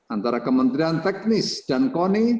antara kementerian teknis dan koni